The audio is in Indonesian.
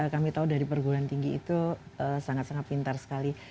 kami tahu dari perguruan tinggi itu sangat sangat pintar sekali